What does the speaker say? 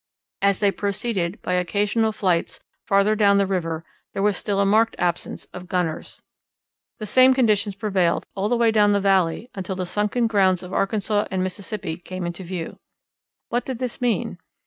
As they proceeded, by occasional flights, farther down the river there was still a marked absence of gunners. The same conditions prevailed all the way down the valley until the sunken grounds of Arkansas and Mississippi came into view. What did this mean?